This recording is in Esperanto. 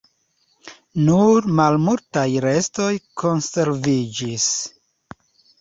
Nur malmultaj restoj konserviĝis.